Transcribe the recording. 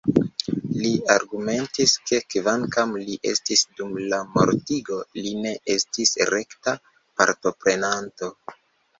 Li argumentis, ke kvankam li estis dum la mortigo, li ne estis rekta partoprenanto.